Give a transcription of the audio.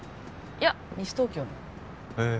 いや西東京のへえ